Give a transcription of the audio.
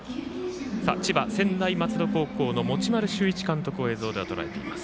千葉・専大松戸高校の持丸修一監督を映像ではとらえています。